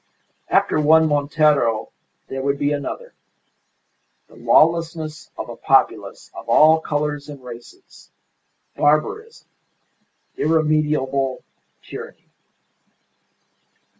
After one Montero there would be another, the lawlessness of a populace of all colours and races, barbarism, irremediable tyranny.